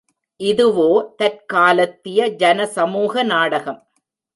இதுவோ, தற்காலத்திய ஜனசமூக நாடகம்.